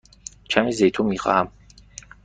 کمی زیتون می خواهم.